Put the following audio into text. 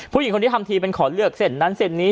ผู้หญิงคนนี้ทำทีเป็นขอเลือกเส้นนั้นเส้นนี้